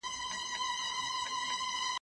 کېدای سي سبزیجات خراب وي،